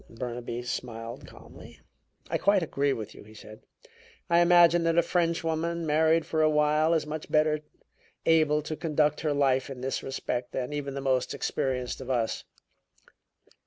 Burnaby smiled calmly. "I quite agree with you," he said. "I imagine that a Frenchwoman, married for a while, is much better able to conduct her life in this respect than even the most experienced of us."